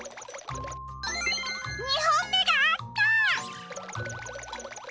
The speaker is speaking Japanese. ２ほんめがあった！